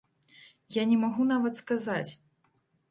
Я не магу нават сказаць.